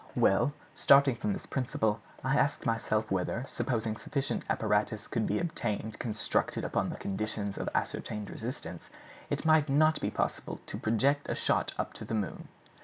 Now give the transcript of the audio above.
Well! starting from this principle, I ask myself whether, supposing sufficient apparatus could be obtained constructed upon the conditions of ascertained resistance, it might not be possible to project a shot up to the moon?"